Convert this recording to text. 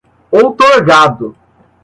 outorgado